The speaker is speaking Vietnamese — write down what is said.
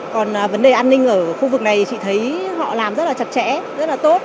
còn vấn đề an ninh ở khu vực này chị thấy họ làm rất là chặt chẽ rất là tốt